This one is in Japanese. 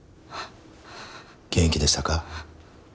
元気でしたか？